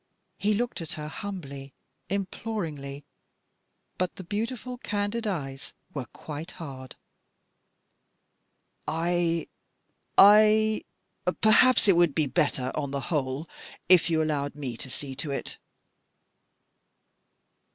He looked at her humbly, imploringly, but the beautiful candid eyes were quite hard. " I — I — perhaps it would be better, on the whole, if you allowed me to see to it."